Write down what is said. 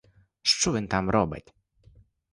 Що він там робить?